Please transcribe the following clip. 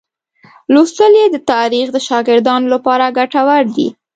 لوستل یې د تاریخ د شاګردانو لپاره ګټور دي.